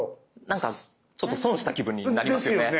何かちょっと損した気分になりますよね。